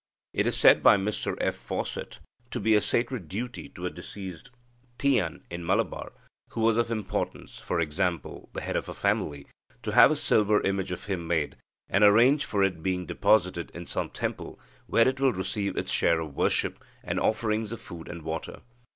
It is said by Mr F. Fawcett, "to be a sacred duty to a deceased Tiyan in Malabar, who was of importance, for example, the head of a family, to have a silver image of him made, and arrange for it being deposited in some temple, where it will receive its share of worship, and offerings of food and water.